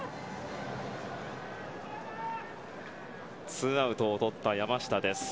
ツーアウトをとった山下です。